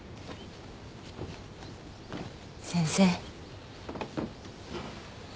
先生。